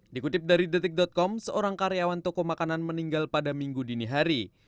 dikutip dari detik com seorang karyawan toko makanan meninggal pada minggu dini hari